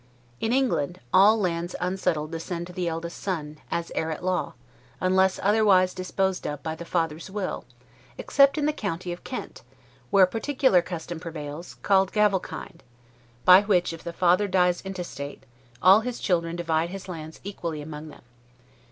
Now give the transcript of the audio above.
In England, all lands unsettled descend to the eldest son, as heir at law, unless otherwise disposed of by the father's will, except in the county of Kent, where a particular custom prevails, called Gavelkind; by which, if the father dies intestate, all his children divide his lands equally among them.